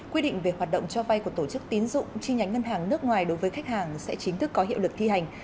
quy định về hoạt động cho vay của tổ chức tín dụng chi nhánh ngân hàng nước ngoài đối với khách hàng sẽ chính thức có hiệu lực thi hành